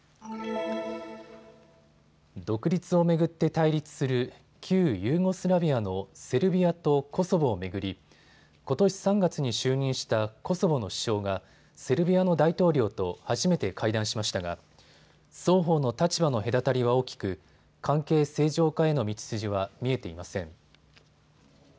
独立を巡って対立する旧ユーゴスラビアのセルビアとコソボを巡りことし３月に就任したコソボの首相がセルビアの大統領と初めて会談しましたが双方の立場の隔たりは大きく関係正常化への道筋は見えていません。